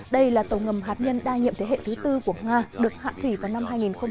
đây là tàu ngầm hạt nhân đa nhiệm thế hệ thứ tư của nga được hạ thủy vào năm hai nghìn một mươi